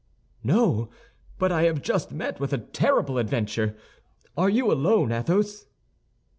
"No, but I have just met with a terrible adventure! Are you alone, Athos?"